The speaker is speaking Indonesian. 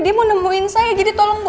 dia mau nemuin saya jadi tolong